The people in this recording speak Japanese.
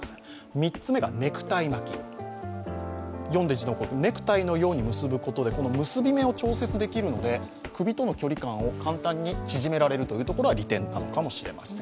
３つ目がネクタイ巻き読んで字のごとく、ネクタイのように結ぶことで結び目を調節できるので、首との距離感を簡単に縮められるというとこは利点なのかもしれません。